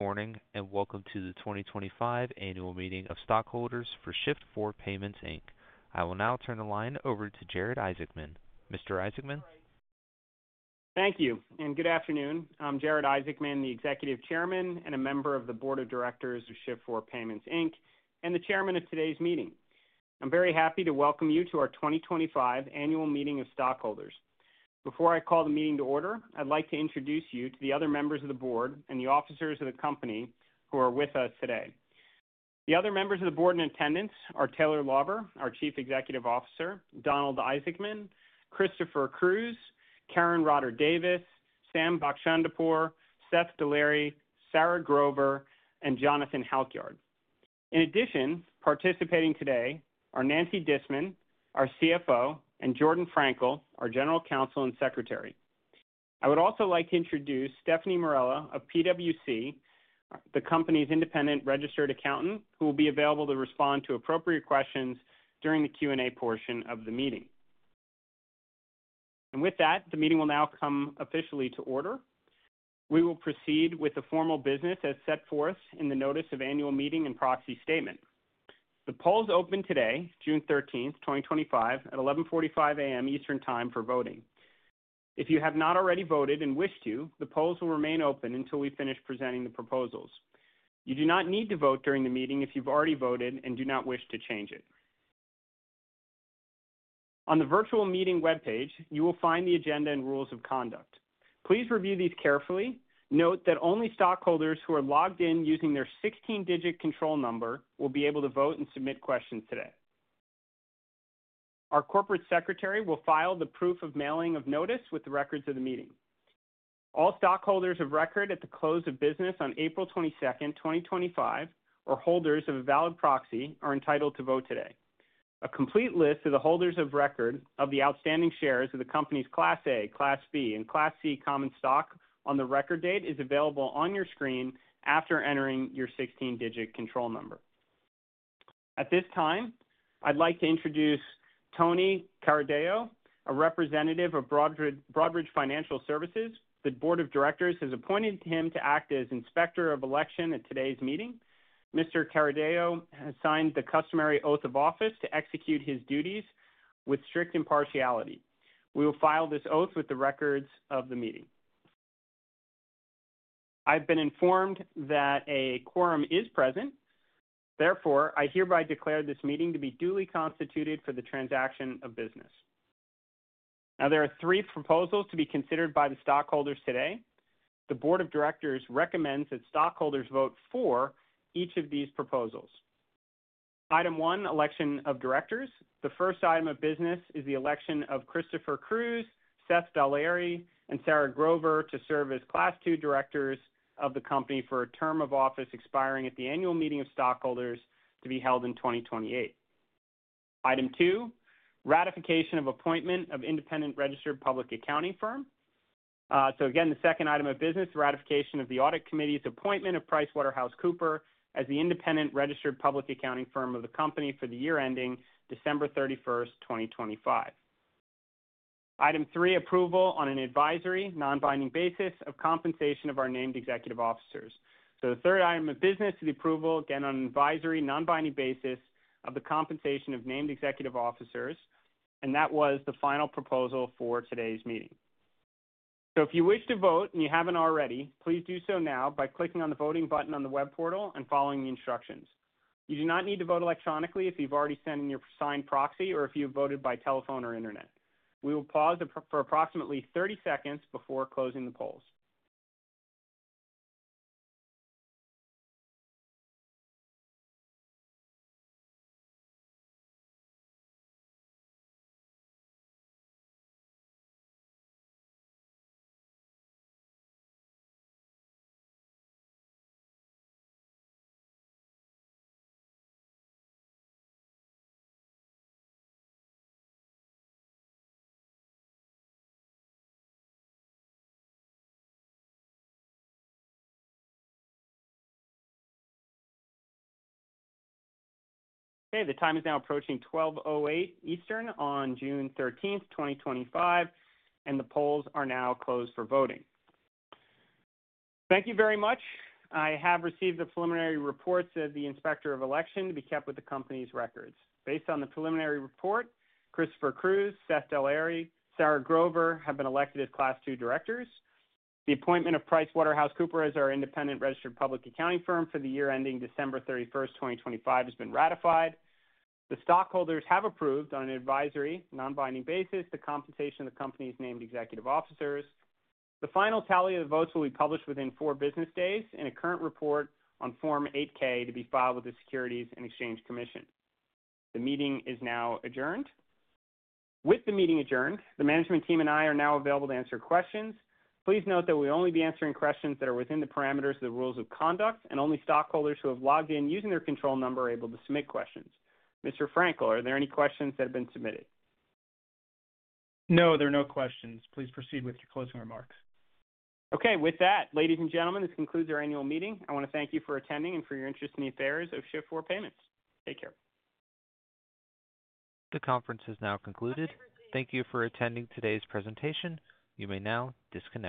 Morning, and welcome to the 2025 annual meeting of stockholders for Shift4 Payments. I will now turn the line over to Jared Isaacman. Mr. Isaacman. Thank you, and good afternoon. I'm Jared Isaacman, the Executive Chairman and a member of the Board of Directors of Shift4 Payments, and the Chairman of today's meeting. I'm very happy to welcome you to our 2025 annual meeting of stockholders. Before I call the meeting to order, I'd like to introduce you to the other members of the board and the officers of the company who are with us today. The other members of the board in attendance are Taylor Lauber, our Chief Executive Officer; Donald Isaacman; Christopher Cruz; Karen Roter Davis; I would also like to introduce Stefanie Merella of PwC, the company's independent registered accountant, who will be available to respond to appropriate questions during the Q&A portion of the meeting. With that, the meeting will now come officially to order. We will proceed with the formal business as set forth in the Notice of Annual Meeting and Proxy Statement. The polls open today, June 13, 2025, at 11:45 A.M. Eastern Time for voting. If you have not already voted and wish to, the polls will remain open until we finish presenting the proposals. You do not need to vote during the meeting if you've already voted and do not wish to change it. On the virtual meeting webpage, you will find the agenda and rules of conduct. Please review these carefully. Note that only stockholders who are logged in using their 16-digit control number will be able to vote and submit questions today. Our Corporate Secretary will file the proof of mailing of notice with the records of the meeting. All stockholders of record at the close of business on April 22, 2025, or holders of a valid proxy are entitled to vote today. A complete list of the holders of record of the outstanding shares of the company's Class A, Class B, and Class C common stock on the record date is available on your screen after entering your 16-digit control number. At this time, I'd like to introduce Tony Carideo, a representative of Broadridge Financial Services. The Board of Directors has appointed him to act as Inspector of Election at today's meeting. Mr. Carideo has signed the customary oath of office to execute his duties with strict impartiality. We will file this oath with the records of the meeting. I've been informed that a quorum is present. Therefore, I hereby declare this meeting to be duly constituted for the transaction of business. Now, there are three proposals to be considered by the stockholders today. The Board of Directors recommends that stockholders vote for each of these proposals. Item 1, election of directors. The first item of business is the election of Christopher Cruz, Seth Dallaire, and Sarah Grover to serve as Class 2 directors of the company for a term of office expiring at the annual meeting of stockholders to be held in 2028. Item 2, ratification of appointment of independent registered public accounting firm. Again, the second item of business, ratification of the audit committee's appointment of PricewaterhouseCoopers as the independent registered public accounting firm of the company for the year ending December 31, 2025. Item 3, approval on an advisory, non-binding basis, of compensation of our named executive officers. The third item of business is the approval, again, on an advisory, non-binding basis, of the compensation of named executive officers. That was the final proposal for today's meeting. If you wish to vote and you haven't already, please do so now by clicking on the voting button on the web portal and following the instructions. You do not need to vote electronically if you've already sent in your signed proxy or if you've voted by telephone or internet. We will pause for approximately 30 seconds before closing the polls. Okay, the time is now approaching 12:08 P.M. Eastern on June 13, 2025, and the polls are now closed for voting. Thank you very much. I have received the preliminary reports of the Inspector of Election to be kept with the company's records. Based on the preliminary report, Christopher Cruz, Seth Delary, and Sarah Grover have been elected as Class 2 directors. The appointment of PricewaterhouseCoopers as our independent registered public accounting firm for the year ending December 31, 2025, has been ratified. The stockholders have approved, on an advisory, non-binding basis, the compensation of the company's named executive officers. The final tally of the votes will be published within four business days in a current report on Form 8-K to be filed with the Securities and Exchange Commission. The meeting is now adjourned. With the meeting adjourned, the management team and I are now available to answer questions. Please note that we will only be answering questions that are within the parameters of the rules of conduct, and only stockholders who have logged in using their control number are able to submit questions. Mr. Frankel, are there any questions that have been submitted? No, there are no questions. Please proceed with your closing remarks. Okay, with that, ladies and gentlemen, this concludes our annual meeting. I want to thank you for attending and for your interest in the affairs of Shift4 Payments. Take care. The conference has now concluded. Thank you for attending today's presentation. You may now disconnect.